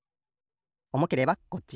おもければこっち。